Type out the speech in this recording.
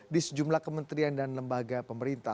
di sejumlah kementerian dan lembaga pemerintah